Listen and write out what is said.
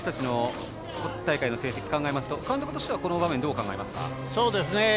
今大会の成績を考えると監督としてはこの場面、どう考えますか？